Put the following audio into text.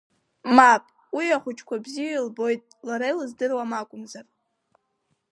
Мап, уи ахәыҷқәа бзиа илбоит, лара илыздыруам акәымзар.